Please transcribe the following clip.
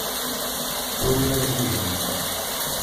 Urar dihin.